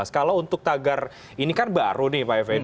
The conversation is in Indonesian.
kalau untuk tagar ini kan baru nih